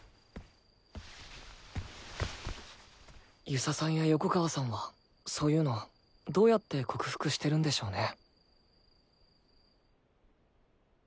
遊佐さんや横川さんはそういうのどうやって克服してるんでしょうね。